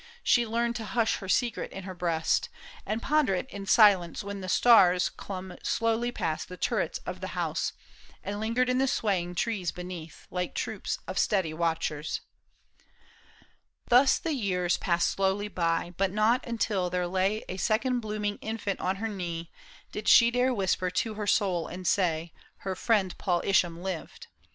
She learned to hush her secret m her breast, And ponder it in silence when the stars Clomb slowly past the turrets of the house, And lingered in the swaying trees beneath. Like troops of steady watchers. Thus the years Passed slowly by, but not until there lay A second blooming infant on her knee. Did she dare whisper to her soul and say. Her friend Paul Isham lived.